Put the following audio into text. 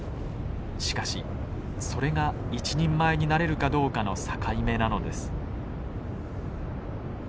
しかしそれが一人前になれるかどうかの境目なのです。